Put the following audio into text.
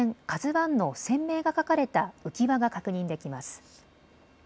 ＫＡＺＵわんの船名が書かれた浮き輪が確認できます。